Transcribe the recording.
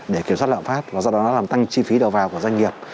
để kiểm soát lạm pháp và do đó nó làm tăng chi phí đầu vào của doanh nghiệp